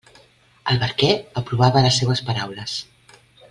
El barquer aprovava les seues paraules.